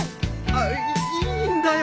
ああいいんだよ